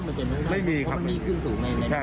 ไม่มีครับไม่มีครับใช่ใช่